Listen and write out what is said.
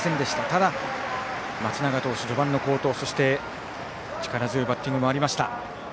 ただ、松永投手の序盤の好投そして力強いバッティングもありました。